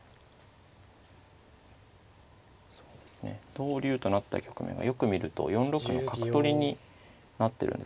同竜となった局面がよく見ると４六の角取りになってるんですね。